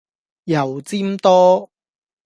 油占多